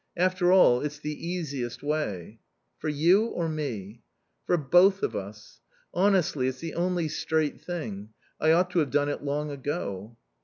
After all, it's the easiest way." "For you, or me?" "For both of us. Honestly, it's the only straight thing. I ought to have done it long ago."